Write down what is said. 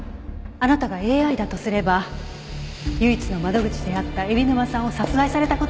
あなたがＡＩだとすれば唯一の窓口であった海老沼さんを殺害された事に対する復讐。